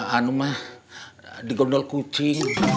anumah di gondol kucing